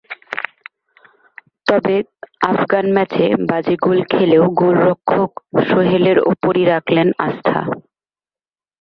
তবে আফগান ম্যাচে বাজে গোল খেলেও গোলরক্ষক সোহেলের ওপরই রাখলেন আস্থা।